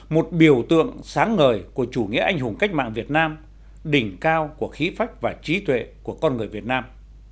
một biểu tượng sáng ngời của chủ nghĩa anh hùng cách mạng việt nam đỉnh cao của khí phách và trí tuệ của con người việt nam